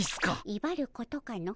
いばることかの。